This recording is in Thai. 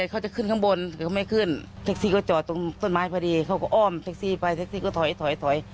ไม่ขึ้นแท็กซี่ก็จอดตรงต้นไม้พอดีเขาก็อ้อมแท็กซี่ไปแท็กซี่ก็ถอยถอยถอย